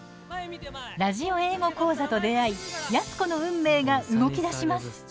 ラジオ英語講座と出会い安子の運命が動きだします。